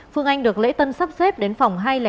phương anh được lễ tân sắp xếp đến phòng